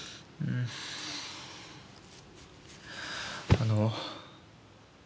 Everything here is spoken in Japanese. あの。